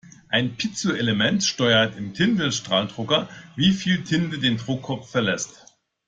Ein Piezoelement steuert im Tintenstrahldrucker, wie viel Tinte den Druckkopf verlässt.